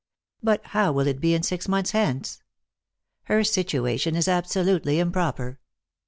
But how will it be six months hence? Her situation is absolutely improper.